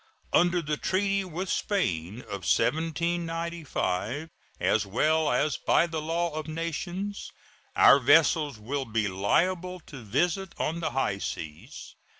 Under the treaty with Spain of 1795, as well as by the law of nations, our vessels will be liable to visit on the high seas.